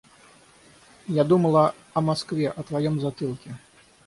Я думала о Москве, о твоем затылке.